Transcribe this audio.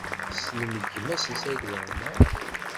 Tessnem gma-s n Saɛid Waɛmaṛ?